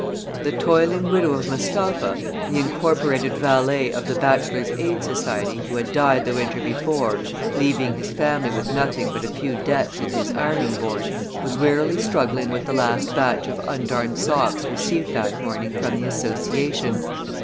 The toiling widow of Mustafa, the incorporated valet of the Bachelors' Aid Society, who had died the winter before, leaving his family with nothing but a few debts and his ironing board, was wearily struggling with the last batch of undarned socks received that morning from the association.